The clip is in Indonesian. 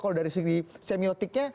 kalau dari segi semiotiknya